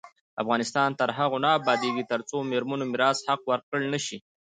افغانستان تر هغو نه ابادیږي، ترڅو د میرمنو میراث حق ورکړل نشي.